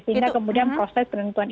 sehingga kemudian proses penentuan